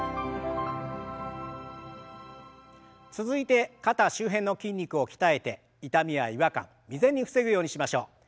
続いて肩周辺の筋肉を鍛えて痛みや違和感未然に防ぐようにしましょう。